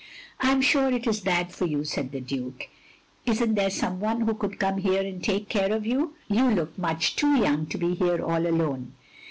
" I am sure it is bad for you, " said the Duke. " Is n't there some one who could come here and take care of you? you look much too young to be here all alone."